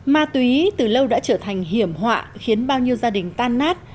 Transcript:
ma túy từ lâu đã trở thành hiểm họa khiến bao nhiêu gia đình tan nát